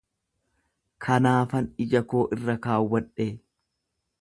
Kanaafan ija koo irra kaawwadhe.